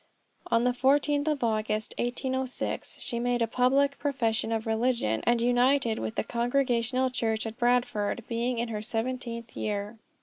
On the fourteenth of August, 1806, she made a public profession of religion, and united with the Congregational church at Bradford, being in her seventeenth year.